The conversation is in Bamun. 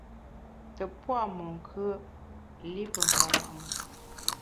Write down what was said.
Tùt pua’ monkùe’, li pe nkpara’ mùn.